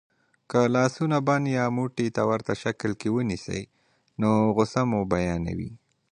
که لاسونه بند یا موټي ته ورته شکل کې ونیسئ نو غسه مو بیانوي.